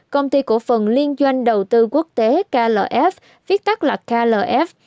công ty cổ phần liên doanh đầu tư quốc tế klf viết tắt là klf